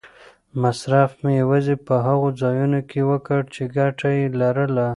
مصرف مې یوازې په هغو ځایونو کې وکړ چې ګټه یې لرله.